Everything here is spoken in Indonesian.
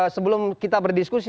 sebelum kita berdiskusi